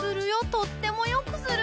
とってもよくする。